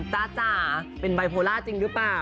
จ้าจ๋าเป็นบายโพล่าจริงหรือเปล่า